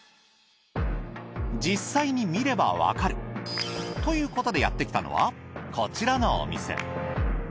実際に見ればわかるということでやって来たのはこちらのお店。